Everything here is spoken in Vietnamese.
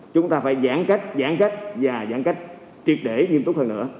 chúng ta phải giãn cách giãn cách và giãn cách triệt để nghiêm túc hơn nữa